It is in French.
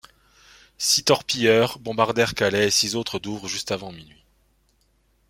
Six torpilleurs bombardèrent Calais et six autres Douvres juste avant minuit.